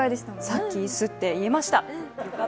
さっき椅子って言えました。